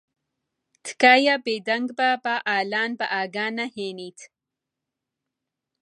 تکایە بێدەنگ بە با ئالان بە ئاگا نەھێنیت.